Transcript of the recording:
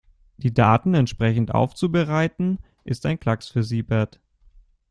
Die Daten entsprechend aufzubereiten, ist ein Klacks für Siebert.